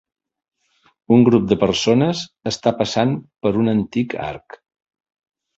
Un grup de persones està passant per un antic arc.